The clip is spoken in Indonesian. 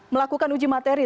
melakukan uji materi